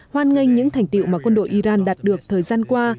hoan nghênh những thành tiệu mà quân đội iran đạt được thời gian qua